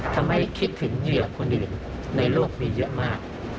ทำให้คิดถึงเหยื่อคนอื่นในโลกมีเยอะมาก